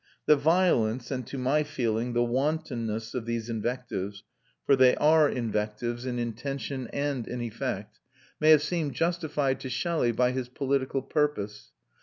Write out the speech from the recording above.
The violence and, to my feeling, the wantonness of these invectives for they are invectives in intention and in effect may have seemed justified to Shelley by his political purpose.